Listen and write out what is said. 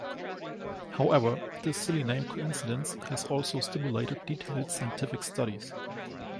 However, this "silly name" coincidence has also stimulated detailed scientific studies.